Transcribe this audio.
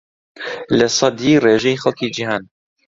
لەسەدی ڕێژەی خەڵکی جیھان